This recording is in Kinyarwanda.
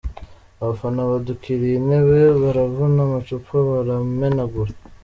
Abafana badukiriye intebe baravuna, amacupa baramenagura.